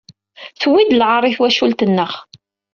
Tewwid-d lɛaṛ i twacult-nneɣ.